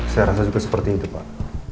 saya rasa juga seperti itu pak